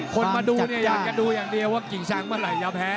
คนมาดูเนี่ยอยากจะดูอย่างเดียวว่ากิ่งชังเมื่อไหร่จะแพ้